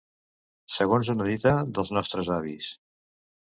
Segons una dita dels nostres avis.